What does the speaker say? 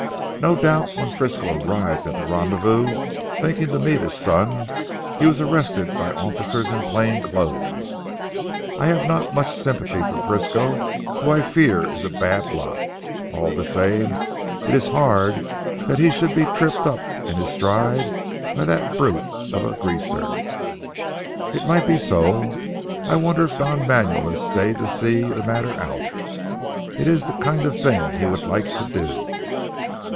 No doubt when Frisco arrived at the rendezvous thinking to meet his son he was arrested by officers in plain clothes. I have not much sympathy for Frisco, who, I fear, is a bad lot. All the same it is hard that he should be tripped up in his stride by that brute of a Greaser." "It might be so. I wonder if Don Manuel has stayed to see the matter out. It is the kind of thing he would like to do."